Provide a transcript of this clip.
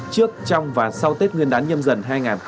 trước trong và sau tết nguyên đán nhâm dần hai nghìn hai mươi bốn